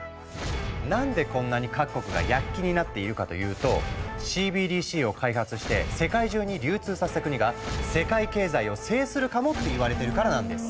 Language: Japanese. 何でこんなに各国が躍起になっているかというとＣＢＤＣを開発して世界中に流通させた国が世界経済を制するかもっていわれてるからなんです。